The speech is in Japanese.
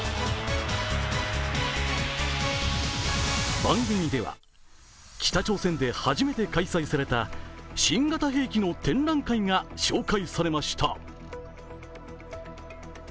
番組では北朝鮮で初めて開催された新型兵器の展覧会が紹介されました。